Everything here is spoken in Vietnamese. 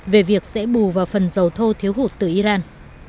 về việc sẽ bù vào phần dầu thô thiếu hụt từ iran